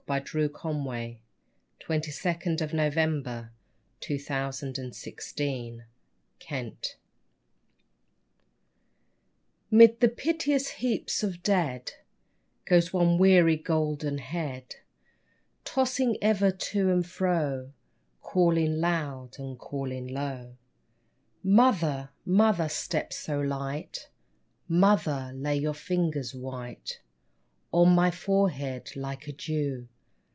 MID THE PITEOUS HEAPS OF DEAD 3Q 'MID THE PITEOUS HEAPS OF DEAD 'MiD the piteous heaps of dead Goes one weary golden head Tossing ever to and fro, Calling loud and calling low. Mother, mother, step so light, Mother, lay your fingers white On my forehead like a dew